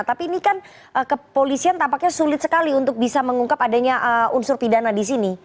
tapi ini kan kepolisian tampaknya sulit sekali untuk bisa mengungkap adanya unsur pidana di sini